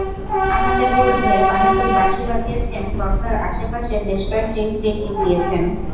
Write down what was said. আমাদের বিরুদ্ধে অহেতুক বাঁশি বাজিয়েছেন, বক্সের আশপাশে বেশ কয়েকটি ফ্রি-কিক দিয়েছেন।